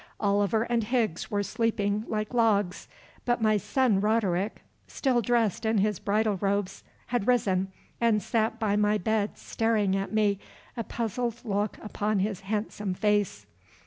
Oliver and Higgs were sleeping like logs, but my son Roderick, still dressed in his bridal robes, had risen and sat by my bed staring at me, a puzzled look upon his handsome face.